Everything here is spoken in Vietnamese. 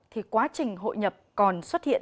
thì quá trình hội nhập còn xuất hiện